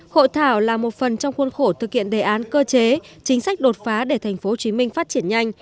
hội thảo là một phần trong khuôn khổ thực hiện đề án cơ chế chính sách đột phá để tp hcm phát triển nhanh